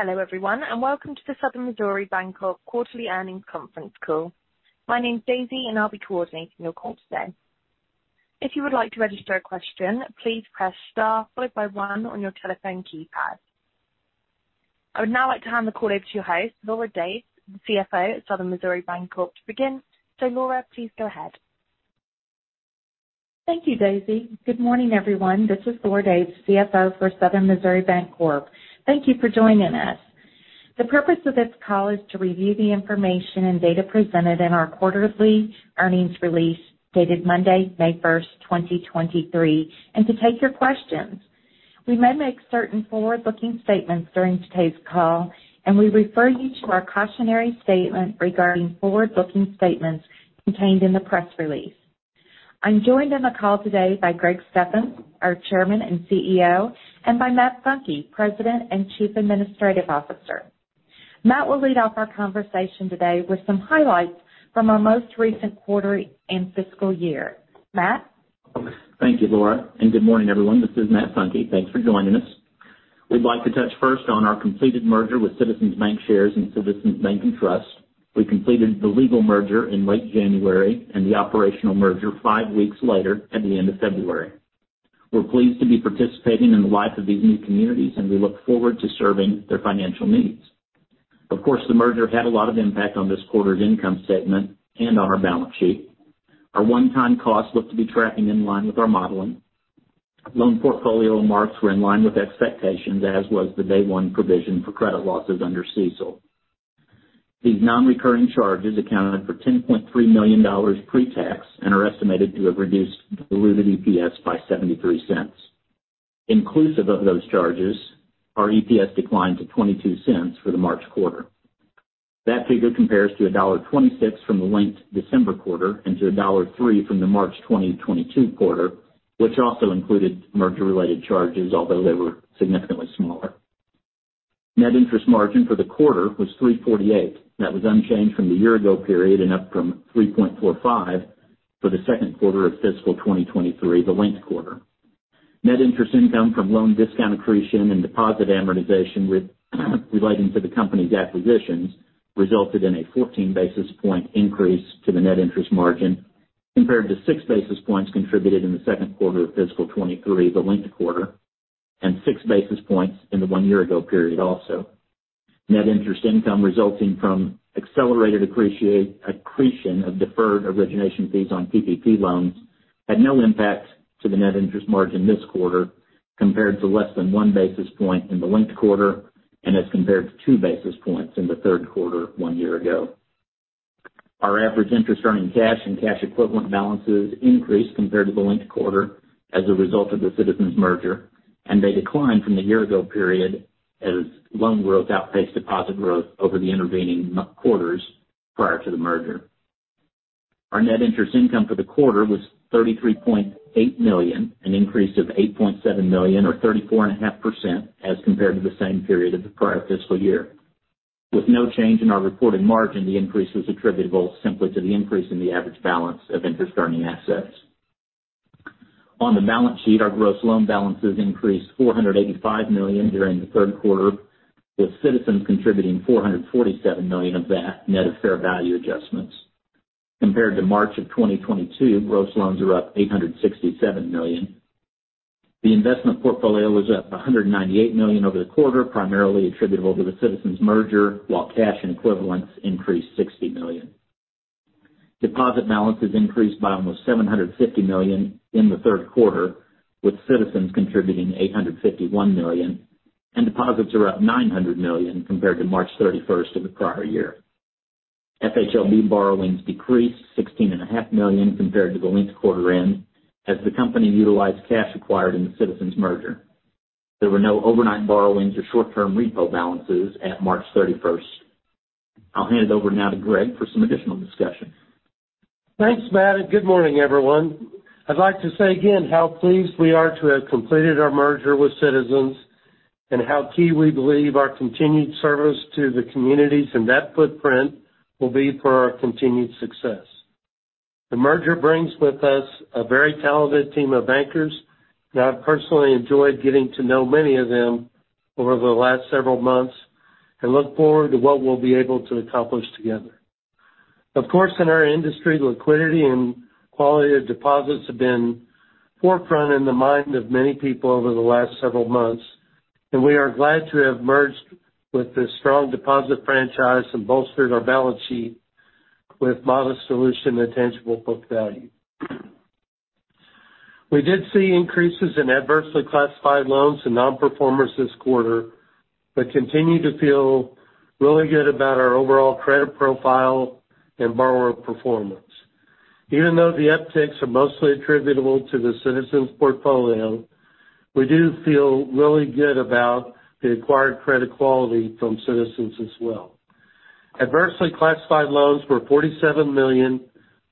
Hello, everyone, welcome to the Southern Missouri Bancorp Quarterly Earnings Conference Call. My name's Daisy, and I'll be coordinating your call today. If you would like to register a question, please press Star followed by one on your telephone keypad. I would now like to hand the call over to your host, Lora Daves, the CFO at Southern Missouri Bancorp, to begin. Lora, please go ahead. Thank you, Daisy. Good morning, everyone. This is Lora Daves, CFO for Southern Missouri Bancorp. Thank you for joining us. The purpose of this call is to review the information and data presented in our quarterly earnings release dated Monday, May 1, 2023, and to take your questions. I'm joined on the call today by Greg Steffens, our Chairman and CEO, and by Matt Funke, President and Chief Administrative Officer. Matt will lead off our conversation today with some highlights from our most recent quarter and fiscal year. Matt? Thank you, Lora, good morning, everyone. This is Matt Funke. Thanks for joining us. We'd like to touch first on our completed merger with Citizens Bancshares and Citizens Bank and Trust. We completed the legal merger in late January and the operational merger 5 weeks later at the end of February. We're pleased to be participating in the life of these new communities, and we look forward to serving their financial needs. Of course, the merger had a lot of impact on this quarter's income statement and on our balance sheet. Our one-time costs look to be tracking in line with our modeling. Loan portfolio marks were in line with expectations, as was the day one provision for credit losses under CECL. These non-recurring charges accounted for $10.3 million pre-tax and are estimated to have reduced diluted EPS by $0.73. Inclusive of those charges, our EPS declined to $0.22 for the March quarter. That figure compares to $1.26 from the linked December quarter and to $1.03 from the March 2022 quarter, which also included merger-related charges, although they were significantly smaller. Net interest margin for the quarter was 3.48%. That was unchanged from the year-ago period and up from 3.45% for the second quarter of fiscal 2023, the linked quarter. Net interest income from loan discount accretion and deposit amortization relating to the company's acquisitions resulted in a 14 basis point increase to the net interest margin, compared to six basis points contributed in the second quarter of fiscal 2023, the linked quarter, and six basis points in the one year-ago period also. Net interest income resulting from accretion of deferred origination fees on PPP loans had no impact to the net interest margin this quarter, compared to less than one basis point in the linked quarter and as compared to 2 basis points in the third quarter one year ago. Our average interest earning cash and cash equivalent balances increased compared to the linked quarter as a result of the Citizens merger, and they declined from the year ago period as loan growth outpaced deposit growth over the intervening quarters prior to the merger. Our net interest income for the quarter was $33.8 million, an increase of $8.7 million or 34.5% as compared to the same period of the prior fiscal year. With no change in our reported margin, the increase was attributable simply to the increase in the average balance of interest-earning assets. On the balance sheet, our gross loan balances increased $485 million during the third quarter, with Citizens contributing $447 million of that net of fair value adjustments. Compared to March of 2022, gross loans are up $867 million. The investment portfolio was up $198 million over the quarter, primarily attributable to the Citizens merger, while cash and equivalents increased $60 million. Deposit balances increased by almost $750 million in the third quarter, with Citizens contributing $851 million, deposits are up $900 million compared to March 31st of the prior year. FHLB borrowings decreased $sixteen and a half million compared to the linked quarter end as the company utilized cash acquired in the Citizens merger. There were no overnight borrowings or short-term repo balances at March 31st. I'll hand it over now to Greg for some additional discussion. Thanks, Matt. Good morning, everyone. I'd like to say again how pleased we are to have completed our merger with Citizens and how key we believe our continued service to the communities and that footprint will be for our continued success. The merger brings with us a very talented team of bankers. I've personally enjoyed getting to know many of them over the last several months and look forward to what we'll be able to accomplish together. Of course, in our industry, liquidity and quality of deposits have been forefront in the mind of many people over the last several months. We are glad to have merged with the strong deposit franchise and bolstered our balance sheet with modest dilution and tangible book value. We did see increases in adversely classified loans to non-performers this quarter, but continue to feel really good about our overall credit profile and borrower performance. Even though the upticks are mostly attributable to the Citizens portfolio, we do feel really good about the acquired credit quality from Citizens as well. Adversely classified loans were $47 million,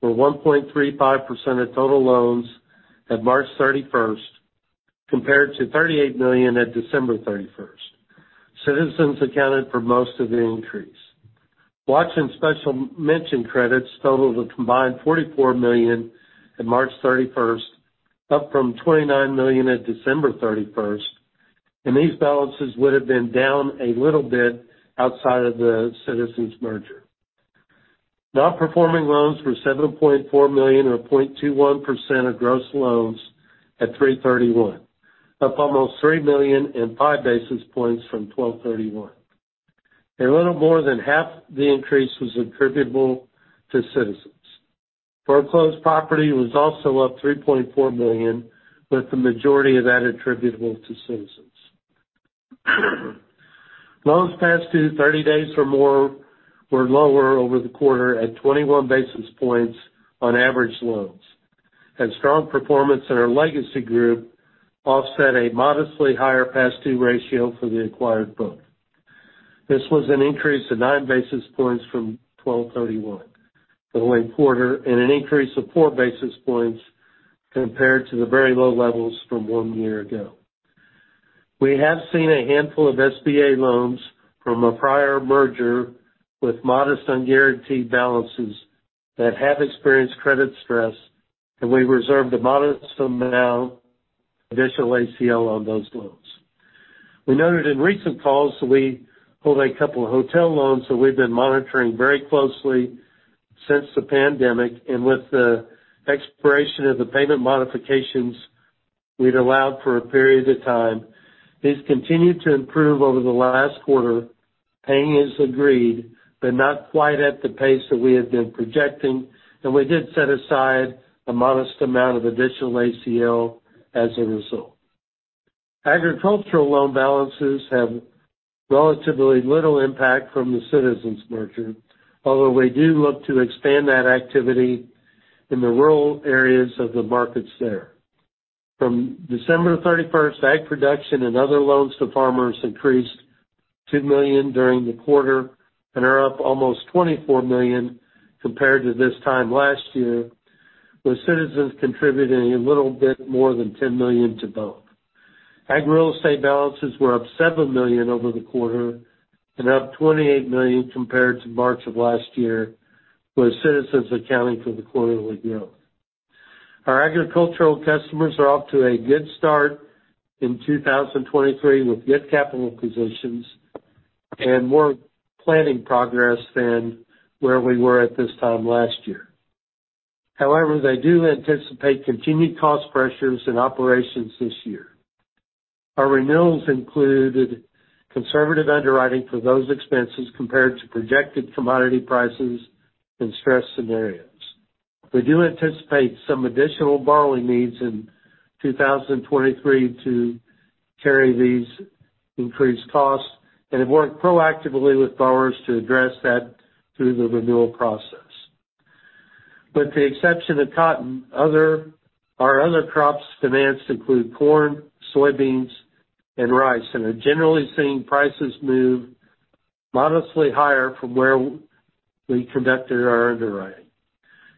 or 1.35% of total loans at March 31st, compared to $38 million at December 31st. Citizens accounted for most of the increase. Watch and special mention credits totaled a combined $44 million at March 31st, up from $29 million at December 31st, and these balances would have been down a little bit outside of the Citizens merger. Non-performing loans were $7.4 million or 0.21% of gross loans at 3/31, up almost $3 million and 5 basis points from 12/31. A little more than half the increase was attributable to Citizens. Foreclosed property was also up $3.4 million, with the majority of that attributable to Citizens. Loans past due 30 days or more were lower over the quarter at 21 basis points on average loans. Strong performance in our legacy group offset a modestly higher past due ratio for the acquired book. This was an increase of 9 basis points from 12/31 for the linked quarter and an increase of four basis points compared to the very low levels from 1 year ago. We have seen a handful of SBA loans from a prior merger with modest unguaranteed balances that have experienced credit stress, and we reserved a modest amount additional ACL on those loans. We noted in recent calls that we hold a couple of hotel loans that we've been monitoring very closely since the pandemic, with the expiration of the payment modifications we'd allowed for a period of time, these continued to improve over the last quarter. Paying as agreed, not quite at the pace that we had been projecting, and we did set aside a modest amount of additional ACL as a result. Agricultural loan balances have relatively little impact from the Citizens merger, although we do look to expand that activity in the rural areas of the markets there. From December 31st, ag production and other loans to farmers increased $2 million during the quarter and are up almost $24 million compared to this time last year, with Citizens contributing a little bit more than $10 million to both. Ag real estate balances were up $7 million over the quarter and up $28 million compared to March of last year, with Citizens accounting for the quarterly growth. Our agricultural customers are off to a good start in 2023 with good capital positions and more planning progress than where we were at this time last year. They do anticipate continued cost pressures in operations this year. Our renewals included conservative underwriting for those expenses compared to projected commodity prices and stress scenarios. We do anticipate some additional borrowing needs in 2023 to carry these increased costs and have worked proactively with borrowers to address that through the renewal process. With the exception of cotton, our other crops financed include corn, soybeans, and rice, and are generally seeing prices move modestly higher from where we conducted our underwriting.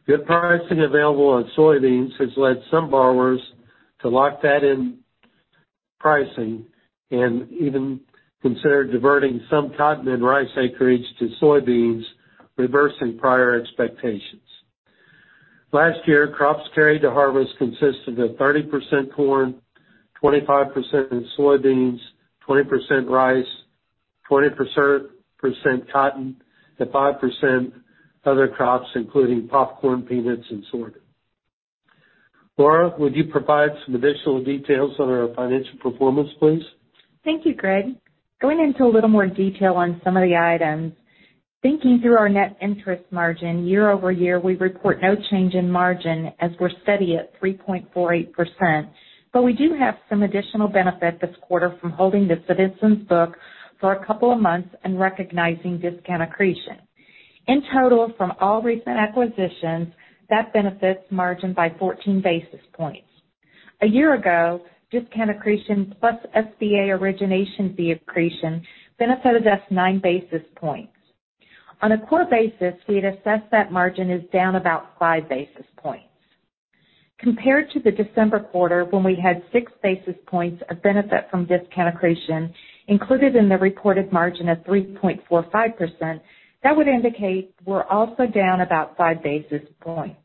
Good pricing available on soybeans has led some borrowers to lock that in pricing and even consider diverting some cotton and rice acreage to soybeans, reversing prior expectations. Last year, crops carried to harvest consisted of 30% corn, 25% in soybeans, 20% rice, 20% cotton, and 5% other crops, including popcorn, peanuts, and sorghum. Lora, would you provide some additional details on our financial performance, please? Thank you, Greg. Going into a little more detail on some of the items. Thinking through our net interest margin year-over-year, we report no change in margin as we're steady at 3.48%. We do have some additional benefit this quarter from holding the Citizens book for a couple of months and recognizing discount accretion. In total, from all recent acquisitions, that benefits margin by 14 basis points. A year ago, discount accretion plus SBA origination fee accretion benefited us nine basis points. On a core basis, we'd assess that margin is down about five basis points. Compared to the December quarter, when we had six basis points of benefit from discount accretion included in the reported margin of 3.45%, that would indicate we're also down about five basis points.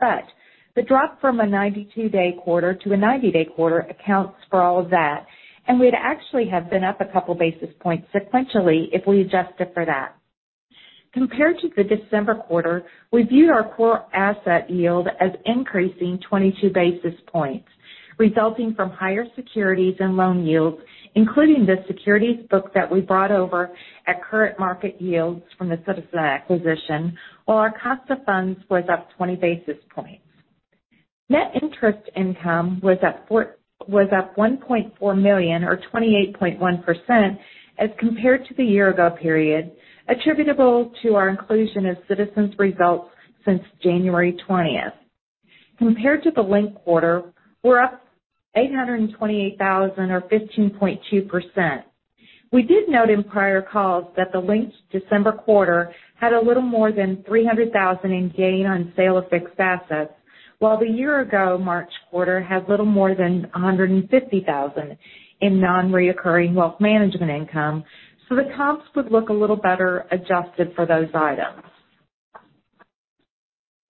The drop from a 92-day quarter to a 90-day quarter accounts for all of that, and we'd actually have been up a couple basis points sequentially if we adjusted for that. Compared to the December quarter, we view our core asset yield as increasing 22 basis points, resulting from higher securities and loan yields, including the securities book that we brought over at current market yields from the Citizens acquisition, while our cost of funds was up 20 basis points. Net interest income was up $1.4 million or 28.1% as compared to the year ago period, attributable to our inclusion of Citizens' results since January 20th. Compared to the linked quarter, we're up $828,000 or 15.2%. We did note in prior calls that the linked December quarter had a little more than $300,000 in gain on sale of fixed assets, while the year-ago March quarter had little more than $150,000 in nonrecurring wealth management income. The comps would look a little better adjusted for those items.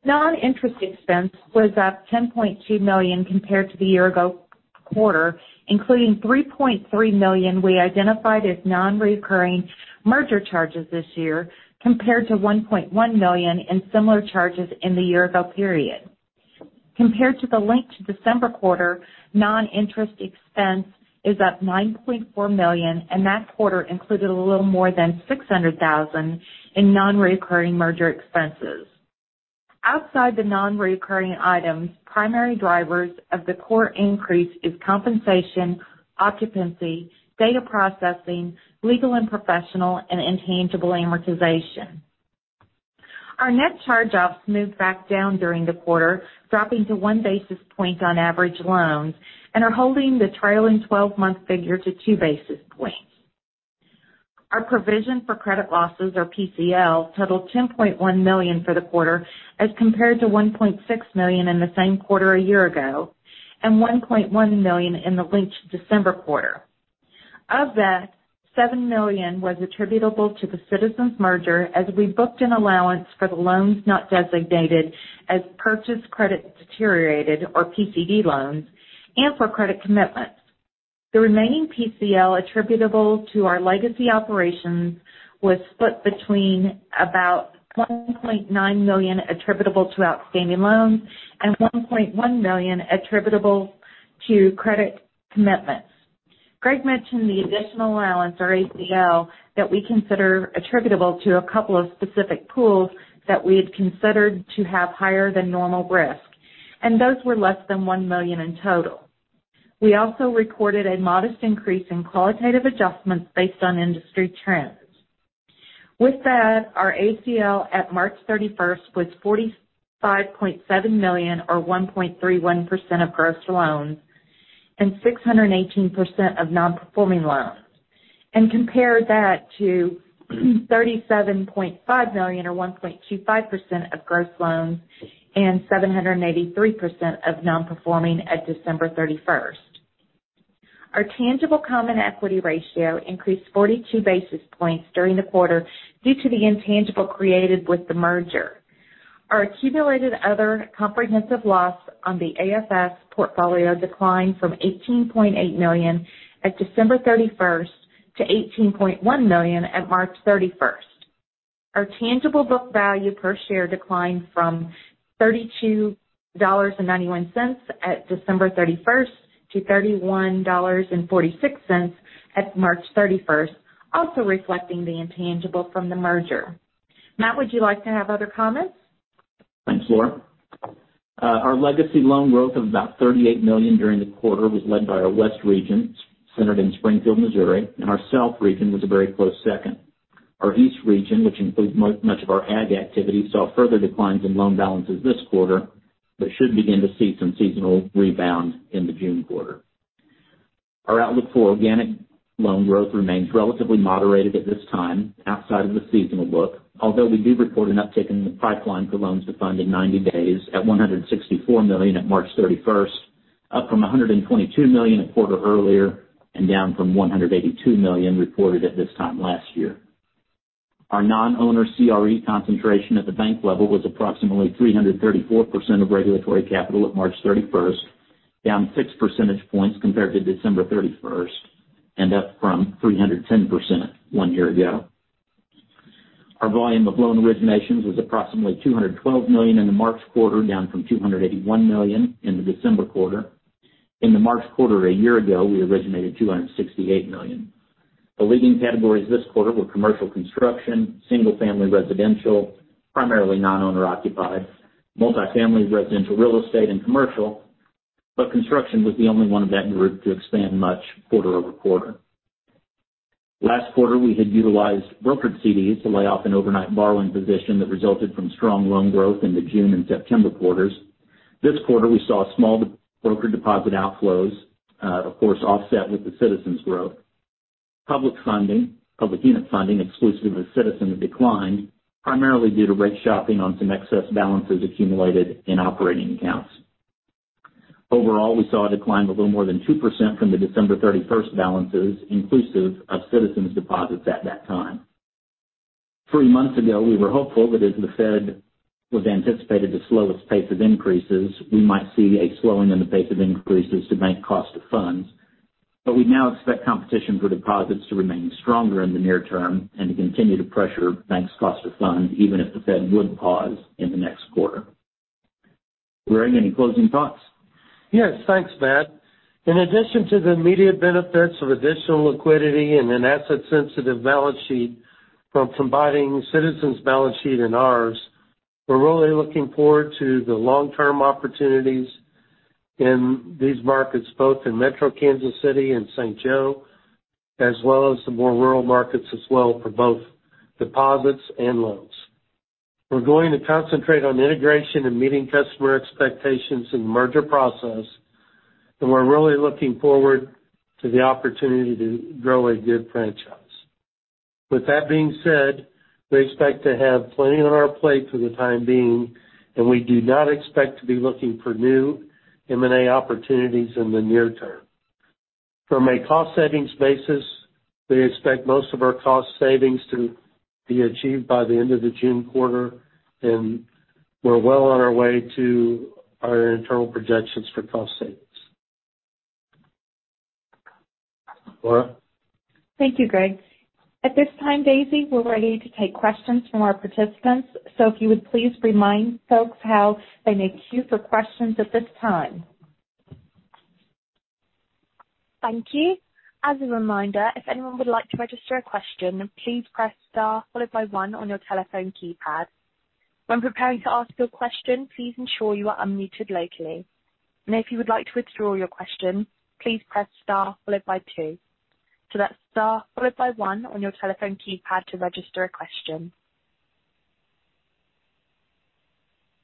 Non-interest expense was up $10.2 million compared to the year-ago quarter, including $3.3 million we identified as nonrecurring merger charges this year, compared to $1.1 million in similar charges in the year-ago period. Compared to the linked December quarter, non-interest expense is up $9.4 million, and that quarter included a little more than $600,000 in nonrecurring merger expenses. Outside the nonrecurring items, primary drivers of the core increase is compensation, occupancy, data processing, legal and professional, and intangible amortization. Our net charge-offs moved back down during the quarter, dropping to one basis point on average loans, and are holding the trailing twelve-month figure to two basis points. Our provision for credit losses, or PCL, totaled $10.1 million for the quarter, as compared to $1.6 million in the same quarter a year ago, and $1.1 million in the linked December quarter. Of that, $7 million was attributable to the Citizens merger, as we booked an allowance for the loans not designated as purchased credit deteriorated, or PCD loans, and for credit commitments. The remaining PCL attributable to our legacy operations was split between about $1.9 million attributable to outstanding loans and $1.1 million attributable to credit commitments. Greg mentioned the additional allowance, or ACL, that we consider attributable to a couple of specific pools that we had considered to have higher than normal risk, and those were less than $1 million in total. We also recorded a modest increase in qualitative adjustments based on industry trends. With that, our ACL at March 31st was $45.7 million or 1.31% of gross loans and 618% of non-performing loans. Compare that to $37.5 million or 1.25% of gross loans and 783% of non-performing at December 31st. Our tangible common equity ratio increased 42 basis points during the quarter due to the intangible created with the merger. Our accumulated other comprehensive loss on the AFS portfolio declined from $18.8 million at December thirty-first to $18.1 million at March thirty-first. Our tangible book value per share declined from $32.91 at December thirty-first to $31.46 at March thirty-first, also reflecting the intangible from the merger. Matt, would you like to have other comments? Thanks, Lora. Our legacy loan growth of about $38 million during the quarter was led by our west region, centered in Springfield, Missouri, and our south region was a very close second. Our east region, which includes much of our ag activity, saw further declines in loan balances this quarter, but should begin to see some seasonal rebound in the June quarter. Our outlook for organic loan growth remains relatively moderated at this time outside of the seasonal look, although we do report an uptick in the pipeline for loans to fund in 90 days at $164 million at March 31st, up from $122 million a quarter earlier, and down from $182 million reported at this time last year. Our non-owner CRE concentration at the bank level was approximately 334% of regulatory capital at March 31st, down 6 percentage points compared to December 31st, up from 310% one year ago. Our volume of loan originations was approximately $212 million in the March quarter, down from $281 million in the December quarter. In the March quarter a year ago, we originated $268 million. The leading categories this quarter were commercial construction, single-family residential, primarily non-owner occupied, multifamily residential real estate and commercial, construction was the only one of that group to expand much quarter-over-quarter. Last quarter, we had utilized brokered CDs to lay off an overnight borrowing position that resulted from strong loan growth in the June and September quarters. This quarter, we saw small broker deposit outflows, of course, offset with the Citizens growth. Public unit funding exclusive of Citizens declined, primarily due to rate shopping on some excess balances accumulated in operating accounts. Overall, we saw a decline of a little more than 2% from the December 31st balances, inclusive of Citizens deposits at that time. Three months ago, we were hopeful that as the Fed was anticipated to slow its pace of increases, we might see a slowing in the pace of increases to bank cost of funds. We now expect competition for deposits to remain stronger in the near term and to continue to pressure banks' cost of funds, even if the Fed would pause in the next quarter. Greg, any closing thoughts? Yes, thanks, Matt. In addition to the immediate benefits of additional liquidity and an asset-sensitive balance sheet from combining Citizens' balance sheet and ours, we're really looking forward to the long-term opportunities in these markets, both in Metro Kansas City and St. Joe, as well as some more rural markets as well for both deposits and loans. We're going to concentrate on integration and meeting customer expectations in the merger process, we're really looking forward to the opportunity to grow a good franchise. With that being said, we expect to have plenty on our plate for the time being, we do not expect to be looking for new M&A opportunities in the near term. From a cost savings basis, we expect most of our cost savings to be achieved by the end of the June quarter, we're well on our way to our internal projections for cost savings. Lora? Thank you, Greg. At this time, Daisy, we're ready to take questions from our participants. If you would please remind folks how they may queue for questions at this time. Thank you. As a reminder, if anyone would like to register a question, please press Star followed by one on your telephone keypad. When preparing to ask your question, please ensure you are unmuted locally. If you would like to withdraw your question, please press Star followed by two. That's Star followed by one on your telephone keypad to register a question.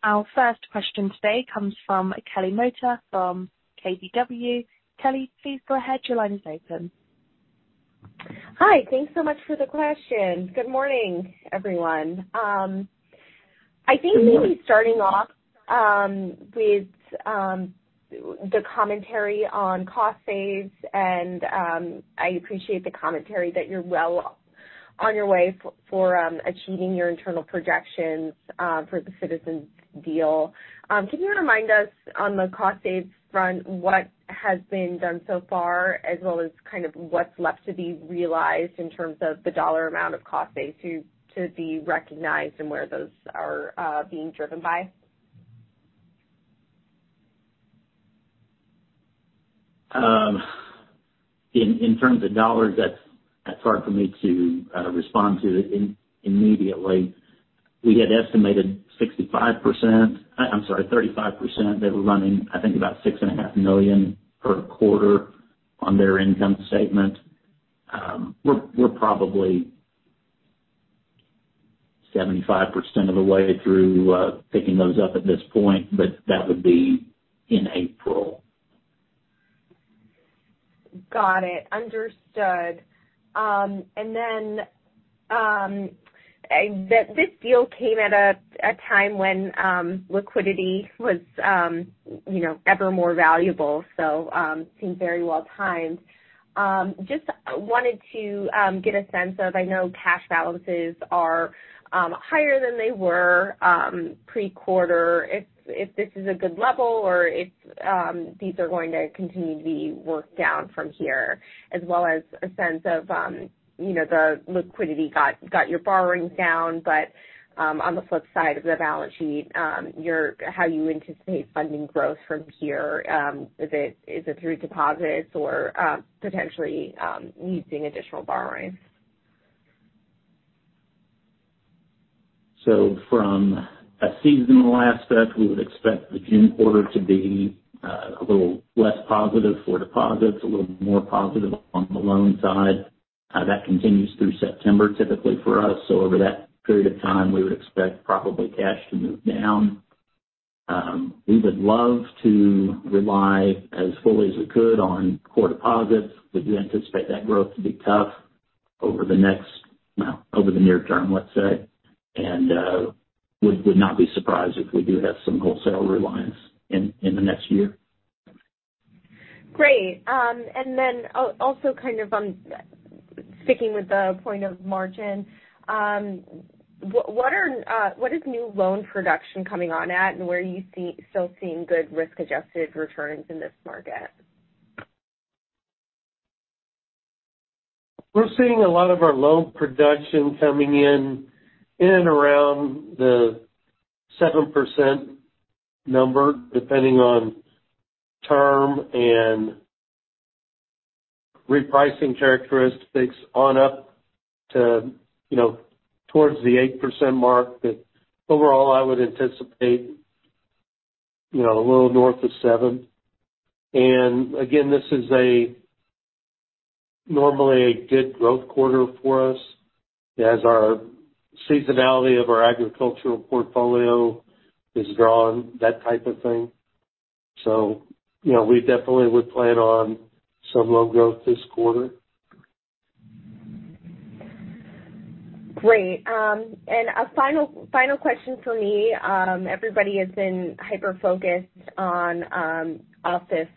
Our first question today comes from Kelly Motta from KBW. Kelly, please go ahead. Your line is open. Hi. Thanks so much for the question. Good morning, everyone. I think maybe starting off with the commentary on cost saves and I appreciate the commentary that you're well on your way for achieving your internal projections for the Citizens deal. Can you remind us on the cost saves front, what has been done so far as well as kind of what's left to be realized in terms of the dollar amount of cost save to be recognized and where those are being driven by? In terms of dollars, that's hard for me to respond to it immediately. We had estimated 65%. I'm sorry, 35%. They were running, I think about $6.5 million per quarter on their income statement. We're probably 75% of the way through picking those up at this point, but that would be in April. Got it. Understood. This deal came at a time when liquidity was, you know, ever more valuable, so, seems very well timed. Just wanted to get a sense of, I know cash balances are higher than they were pre-quarter. If this is a good level or if these are going to continue to be worked down from here? As well as a sense of, you know, the liquidity got your borrowing down, but on the flip side of the balance sheet, how you anticipate funding growth from here? Is it through deposits or potentially using additional borrowing? From a seasonal aspect, we would expect the June quarter to be a little less positive for deposits, a little more positive on the loan side. That continues through September, typically for us. Over that period of time, we would expect probably cash to move down. We would love to rely as fully as we could on core deposits. We do anticipate that growth to be tough over the next, well, over the near term, let's say. We would not be surprised if we do have some wholesale reliance in the next year. Great. Also kind of on sticking with the point of margin, what is new loan production coming on at, and where are you still seeing good risk-adjusted returns in this market? We're seeing a lot of our loan production coming in and around the 7% number, depending on term and repricing characteristics on up to, you know, towards the 8% mark. Overall, I would anticipate, you know, a little north of seven. Again, this is a normally a good growth quarter for us as our seasonality of our agricultural portfolio is drawing that type of thing. You know, we definitely would plan on some loan growth this quarter. Great. A final question for me. Everybody has been hyper-focused on office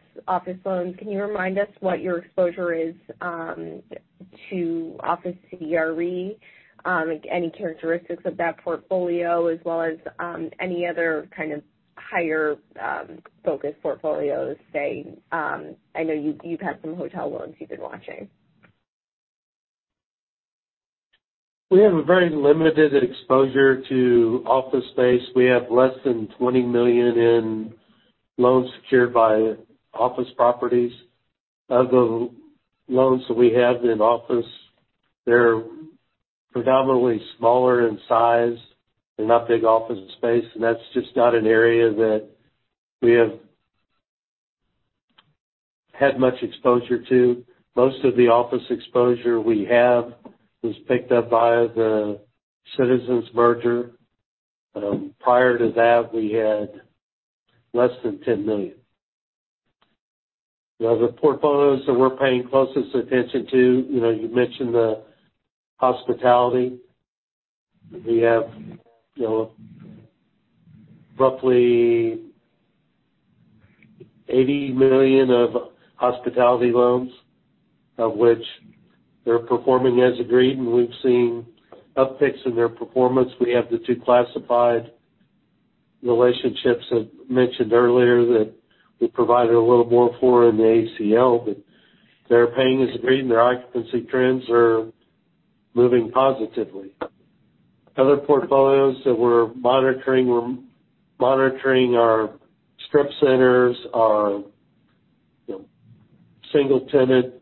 loans. Can you remind us what your exposure is to office CRE? Any characteristics of that portfolio as well as any other kind of higher focused portfolios, say, I know you've had some hotel loans you've been watching. We have a very limited exposure to office space. We have less than $20 million in loans secured by office properties. Of the loans that we have in office, they're predominantly smaller in size. They're not big office space, and that's just not an area that we have had much exposure to. Most of the office exposure we have was picked up via the Citizens merger. Prior to that, we had less than $10 million. The other portfolios that we're paying closest attention to, you know, you mentioned the hospitality. We have, you know, roughly $80 million of hospitality loans, of which they're performing as agreed, and we've seen upticks in their performance. We have the two classified relationships I mentioned earlier that we provided a little more for in the ACL, but they're paying as agreed and their occupancy trends are moving positively. Other portfolios that we're monitoring, we're monitoring our strip centers, our, you know, single-tenant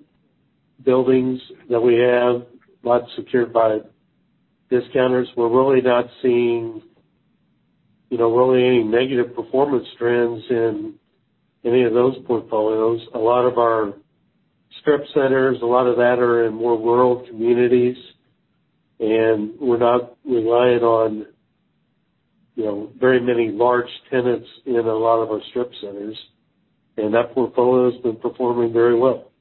buildings that we have, lots secured by discounters. We're really not seeing, you know, really any negative performance trends in any of those portfolios. A lot of our strip centers, a lot of that are in more rural communities. We're not reliant on, you know, very many large tenants in a lot of our strip centers. That portfolio has been performing very well.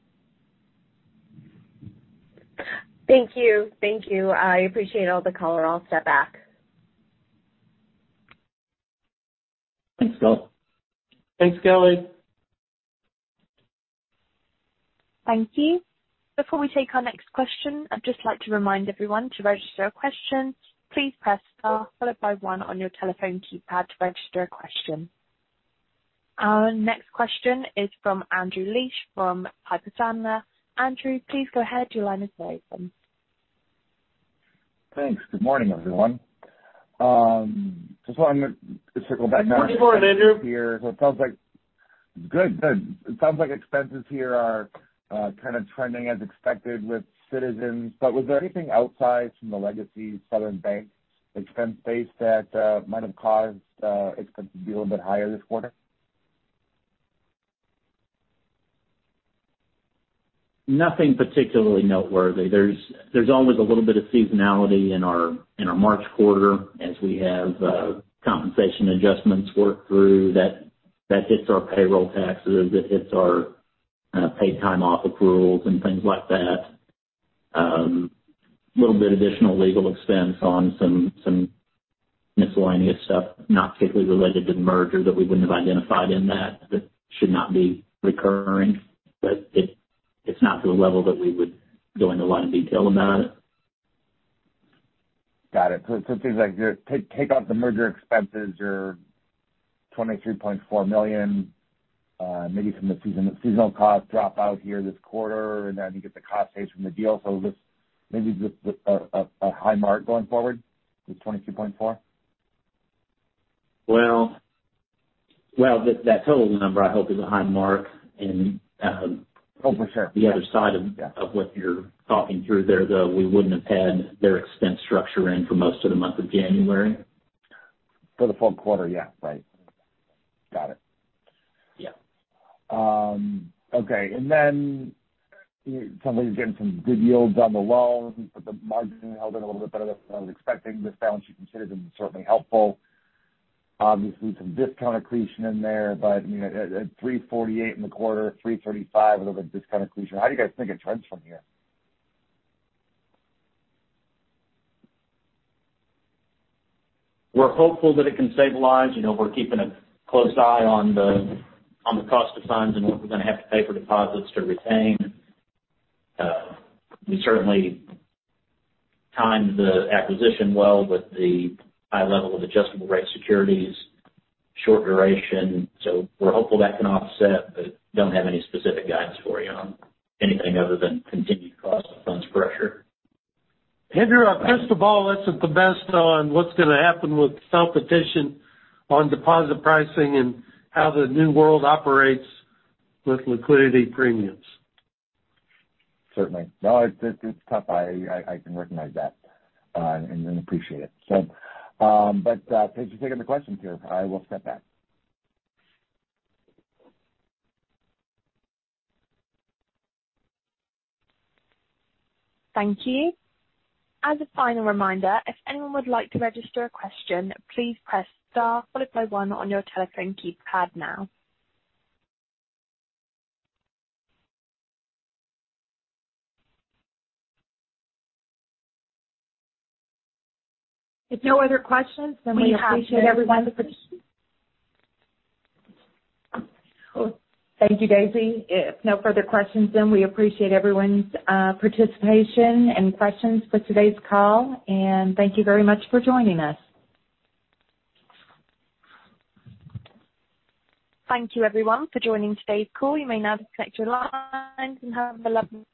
Thank you. Thank you. I appreciate all the color. I'll step back. Thanks, Kelly. Thanks, Kelly. Thank you. Before we take our next question, I'd just like to remind everyone to register a question, please press star followed by one on your telephone keypad to register a question. Our next question is from Andrew Liesch from Piper Sandler. Andrew, please go ahead. Your line is open. Thanks. Good morning, everyone. Just wanted to circle back. Good morning, Andrew. It sounds like expenses here are kind of trending as expected with Citizens. Was there anything outside from the legacy Southern Bank expense base that might have caused expenses to be a little bit higher this quarter? Nothing particularly noteworthy. There's always a little bit of seasonality in our, in our March quarter as we have compensation adjustments work through that hits our payroll taxes. It hits our paid time off accruals and things like that. A little bit additional legal expense on some miscellaneous stuff, not particularly related to the merger that we wouldn't have identified in that. That should not be recurring, but it's not to a level that we would go into a lot of detail about it. Got it. It seems like you're take out the merger expenses, your $23.4 million, maybe some of the seasonal costs drop out here this quarter, and then you get the cost saves from the deal. This maybe just a high mark going forward, this $23.4? Well, that total number I hope is a high mark. Oh, for sure. The other side of what you're talking through there, though, we wouldn't have had their expense structure in for most of the month of January. For the full quarter, yeah. Right. Got it. Yeah. Okay. It sounds like you're getting some good yields on the loans, the margin held in a little bit better than I was expecting. This balance sheet considered them certainly helpful. Obviously some discount accretion in there, you know, at 3.48% in the quarter, 0.35% of a discount accretion. How do you guys think it trends from here? We're hopeful that it can stabilize. You know, we're keeping a close eye on the cost of funds and what we're gonna have to pay for deposits to retain. We certainly timed the acquisition well with the high level of adjustable rate securities, short duration. We're hopeful that can offset, but don't have any specific guidance for you on anything other than continued cost of funds pressure. Andrew, I'll pitch the ball. Isn't the best on what's gonna happen with competition on deposit pricing and how the new world operates with liquidity premiums? Certainly. No, it's tough. I can recognize that and appreciate it. Thanks for taking the question here. I will step back. Thank you. As a final reminder, if anyone would like to register a question, please press star followed by one on your telephone keypad now. If no other questions then we appreciate everyone- We have no further questions. Thank you, Daisy. If no further questions then we appreciate everyone's participation and questions for today's call, and thank you very much for joining us. Thank you everyone for joining today's call. You may now disconnect your lines and have a lovely day.